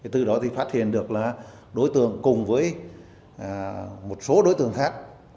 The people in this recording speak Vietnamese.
từ đó thì phát hiện được là đối tượng cùng với một số đối tượng khác